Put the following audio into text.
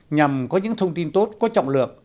nhằm có những thông tin tốt có trọng lược